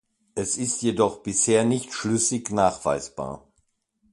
Es ist jedoch bisher nicht schlüssig nachweisbar.